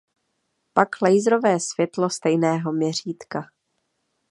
Pak laserové světlo stejného měřítka.